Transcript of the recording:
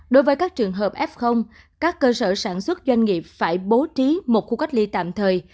đối với các trường hợp f các cơ sở sản xuất doanh nghiệp phải bố trí một khu cách ly tạm thời